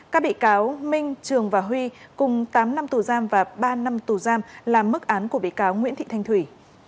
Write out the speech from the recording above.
các bị cáo minh trường và huy cùng tám năm tù giam và ba năm tù giam là mức án của bị cáo nguyễn thị thanh thủy